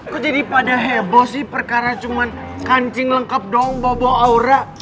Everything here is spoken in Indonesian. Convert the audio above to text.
kok jadi pada heboh sih perkara cuman kancing lengkap dong bawa bawa aura